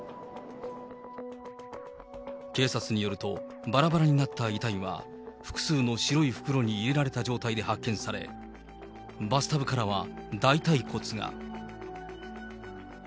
警察によるとばらばらになった遺体は、複数の白い袋に入れられた状態で発見され、バスタブからは大たい骨が。